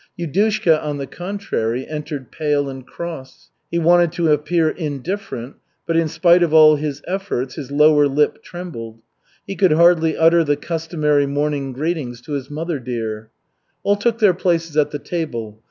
Yudushka, on the contrary, entered pale and cross. He wanted to appear indifferent but, in spite of all his efforts, his lower lip trembled. He could hardly utter the customary morning greetings to his mother dear. All took their places at the table.